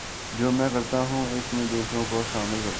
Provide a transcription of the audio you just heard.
جو میں کرتا ہوں اس میں دوسروں کو بھی شامل کرتا ہوں